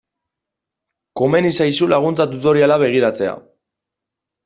Komeni zaizu laguntza tutoriala begiratzea.